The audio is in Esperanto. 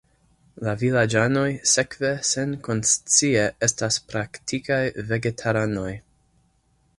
La vilaĝanoj sekve senkonscie estas praktikaj vegetaranoj.